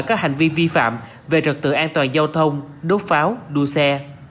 các hành vi vi phạm về trật tự an toàn giao thông đốt pháo đua xe